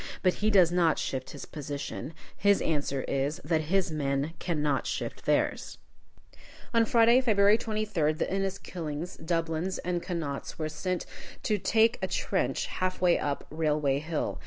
But he does not shift his position. His answer is, that his men cannot shift theirs. On Friday, February 23d, the Inniskillings, Dublins, and Connaughts were sent out to take a trench, half way up Railway Hill.